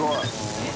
えっ？